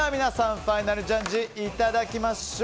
ファイナルジャッジいただきましょう。